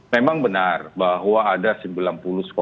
memang benar bahwa apabila kita melihat kita tidak bisa mengingatkan